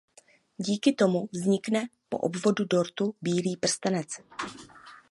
Díky tomu vznikne po obvodu dortu bílý prstenec.